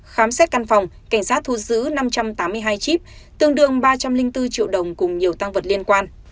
khám xét căn phòng cảnh sát thu giữ năm trăm tám mươi hai chip tương đương ba trăm linh bốn triệu đồng cùng nhiều tăng vật liên quan